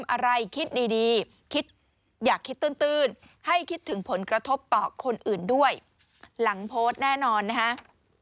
หลังโพสต์แน่นอนนะครับ